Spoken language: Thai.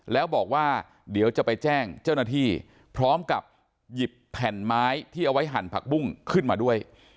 แล้วบอกว่าเดี๋ยวจะไปแจ้งเจ้าหน้าที่พร้อมกับหยิบแผ่นไม้ที่เอาไว้หั่นผักบุ้งขึ้นมาด้วย